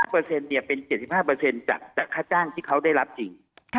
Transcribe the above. เป็น๗๕จากค่าจ้างที่เขาได้รับจริง